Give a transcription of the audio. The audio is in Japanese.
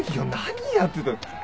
何やってたの。